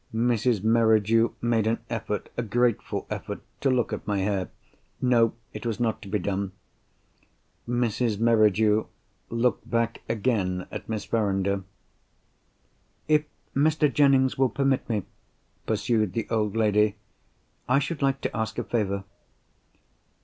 Mrs. Merridew made an effort—a grateful effort—to look at my hair. No! it was not to be done. Mrs. Merridew looked back again at Miss Verinder. "If Mr. Jennings will permit me," pursued the old lady, "I should like to ask a favour.